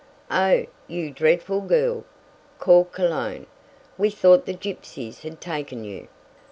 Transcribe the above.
"Oh, you dreadful girl!" called Cologne. "We thought the gypsies had taken you."